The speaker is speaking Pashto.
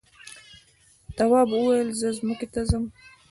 تواب وویل زه ځمکې ته ځم.